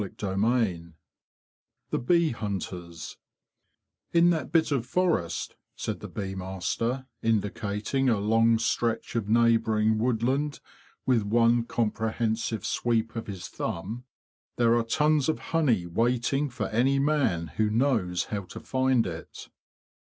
CHAPTER IX THE BEE HUNTERS "TN that bit of forest,'' said the bee master, indic ating a long stretch of neighbouring woodland with one comprehensive sweep of his thumb, '' there are tons of honey waiting for any man who knows how to find it."